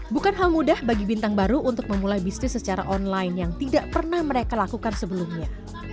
bukan hal mudah bagi bintang baru untuk memulai bisnis secara online yang tidak pernah mereka lakukan sebelumnya